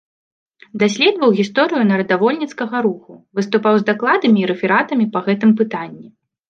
Даследаваў гісторыю нарадавольніцкага руху, выступаў з дакладамі і рэфератамі па гэтым пытанні.